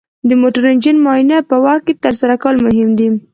د موټر انجن معاینه په وخت ترسره کول مهم دي.